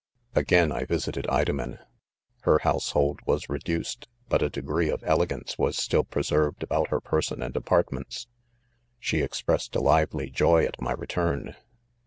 Again I visited Idomen ; her household was redacec! 3 but a degree of elegance • was still preserved about her person and apartments, She expressed a lively joy at my return.